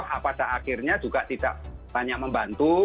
pada akhirnya juga tidak banyak membantu